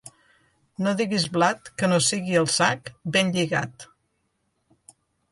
No diguis blat que no sigui al sac ben lligat.